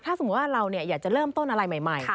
ถ้าสมมุติว่าเราอยากจะเริ่มต้นอะไรใหม่